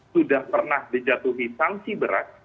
sudah pernah dijatuhi sanksi berat